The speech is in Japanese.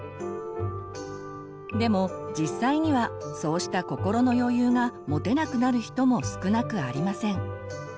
でも実際にはそうした心の余裕が持てなくなる人も少なくありません。